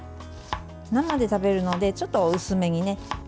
生で食べるのでちょっと薄めにね。